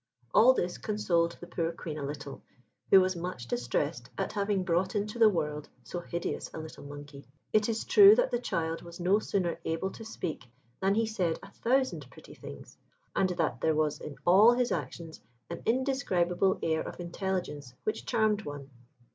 All this consoled the poor Queen a little, who was much distressed at having brought into the world so hideous a little monkey. It is true that the child was no sooner able to speak than he said a thousand pretty things, and that there was in all his actions an indescribable air of intelligence which charmed one.